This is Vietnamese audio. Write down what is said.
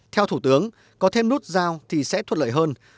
theo thủ tướng có thêm nút giao thì sẽ thuận lợi hơn